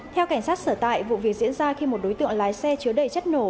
theo cảnh sát sở tại vụ việc diễn ra khi một đối tượng lái xe chứa đầy chất nổ